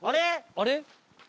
あれ？